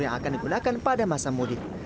yang akan digunakan pada masa mudik